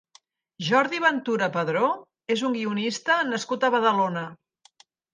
Jordi Ventura Padró és un guionista nascut a Badalona.